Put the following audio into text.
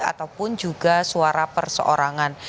ataupun juga suara perseorangan